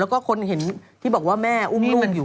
แล้วก็คนเห็นที่บอกว่าแม่อุ้มลูกอยู่